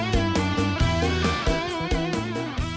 kan jeniper baru pindah